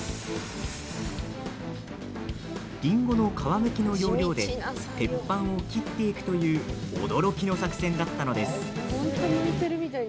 リンゴの皮むきの要領で鉄板を切っていくという驚きの作戦だったのです。